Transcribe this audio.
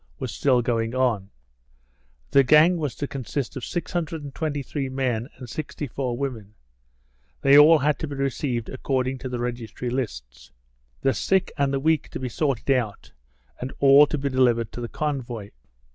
was still going on. The gang was to consist of 623 men and 64 women; they had all to be received according to the registry lists. The sick and the weak to be sorted out, and all to be delivered to the convoy.